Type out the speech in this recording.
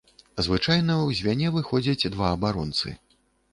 Звычайна ў звяне выходзяць два абаронцы.